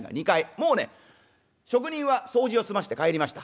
もうね職人は掃除を済まして帰りました。